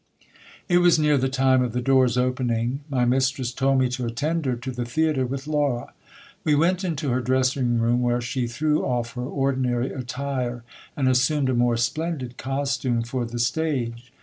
It was near the time of the doors opening. My mistress told me to attend her to the theatre with Laura. We went into her dressing room, where she threw off her ordinary attire, and assumed a more splendid costume for the stage.